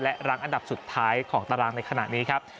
และรั้งอันดับสุดท้ายของตารางในขณะนี้ครับ